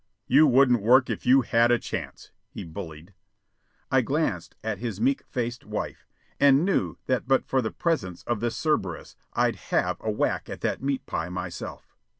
"You wouldn't work if you had a chance," he bullied. I glanced at his meek faced wife, and knew that but for the presence of this Cerberus I'd have a whack at that meat pie myself.